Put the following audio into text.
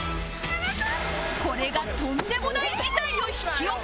これがとんでもない事態を引き起こす！